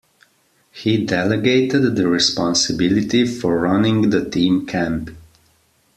He delegated the responsibility for running the team camp.